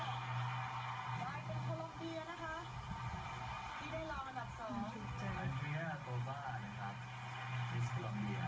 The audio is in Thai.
หมายความว่าไม่ฝรั่งเศสก็ให้ดีค่ะ